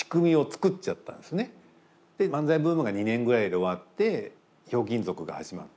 漫才ブームが２年ぐらいで終わって「ひょうきん族」が始まって。